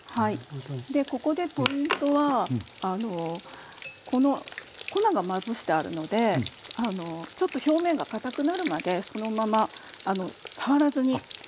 ここでポイントはこの粉がまぶしてあるのでちょっと表面がかたくなるまでそのまま触らずに置いて下さい。